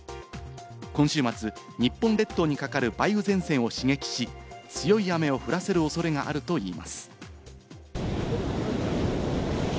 今週末、日本列島にかかる梅雨前線を刺激し、強い雨を降らせるおそれがあるといいます。